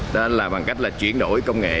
đó là bằng cách chuyển đổi công nghệ